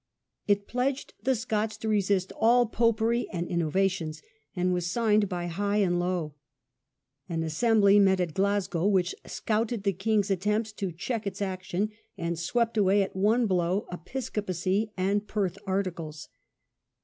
It pledged the Scots to resist all popery and innovations, and was signed by high and low. An assembly met at Glasgow which scouted the king's attempts to check its action, and swept away at one blow Episcopacy and Perth Articles.